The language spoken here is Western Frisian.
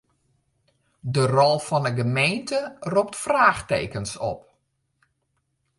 De rol fan 'e gemeente ropt fraachtekens op.